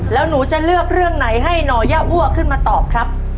แล้วหนูจะเลือกเรื่องไหนให้นอย่าอ้วขึ้นมาตอบครับ